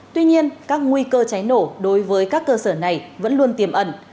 tuy nhiên các nguy cơ cháy nổ đối với các cơ sở này vẫn luôn tiềm ẩn